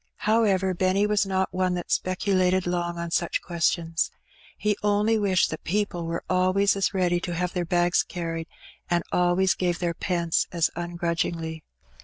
However, Penny was not one that speculated long on such ques tions; he only wished that people were always as ready to have their bags carried, and always gave their pence as ungrudgingly.